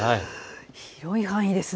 広い範囲ですね。